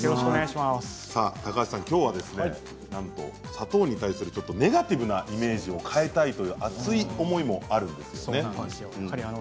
高橋さん、きょうは砂糖に対するちょっとネガティブなイメージを変えたいっていう熱い思いもあるんですよね。